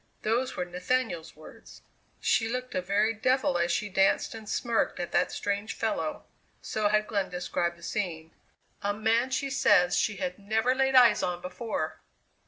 Those were Nathaniel's words. "She looked a very devil as she danced and smirked at that strange fellow," so had Glenn described the scene; "a man she says she had never laid eyes on before!